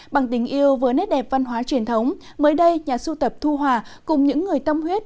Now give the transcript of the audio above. bằng tình yêu với nét đẹp văn hóa truyền thống mới đây nhà sưu tập thu hòa cùng những người tâm huyết